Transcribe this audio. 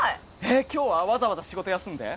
えっ今日はわざわざ仕事休んで？